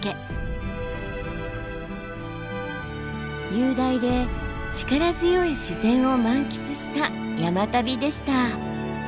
雄大で力強い自然を満喫した山旅でした。